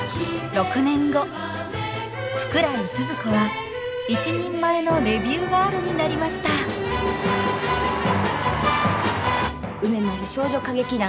６年後福来スズ子は一人前のレビューガールになりました梅丸少女歌劇団